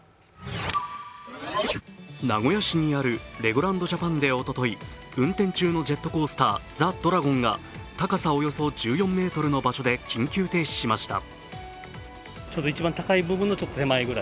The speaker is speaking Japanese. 名古屋市にあるレゴランド・ジャパンでおととい、運転中のジェットコースター、ザ・ドラゴンが高さおよそ１４ｍの場所で緊急停止しました。